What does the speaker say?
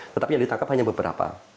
tetapi yang ditangkap hanya beberapa